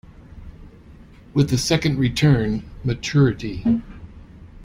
With the second return, maturity.